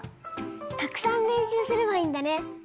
たくさんれんしゅうすればいいんだね。